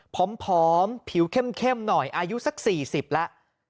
ผอมผิวเข้มหน่อยอายุสัก๔๐แล้ว